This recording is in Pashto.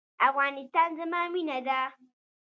افغانستان زما مینه ده